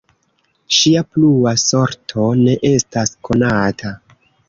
Ŝia plua sorto ne estas konata.